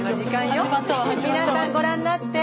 皆さんご覧になって。